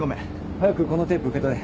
早くこのテープ受け取れ。